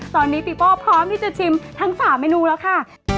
ตอนนี้ปีโป้พร้อมที่จะชิมทั้ง๓เมนูแล้วค่ะ